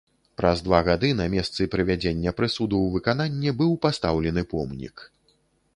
Праз два гады на месцы прывядзення прысуду ў выкананне быў пастаўлены помнік.